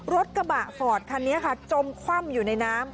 รถกระบะฟอร์ดคันนี้ค่ะจมคว่ำอยู่ในน้ำ